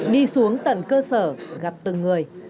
đi xuống tận cơ sở gặp từng người